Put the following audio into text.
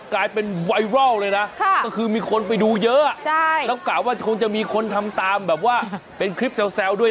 มันไม่เคยมีใครทำแบบนี้